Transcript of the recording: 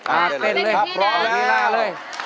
อ่ะเต้นเลยเอาแบบนี้หน้าเลย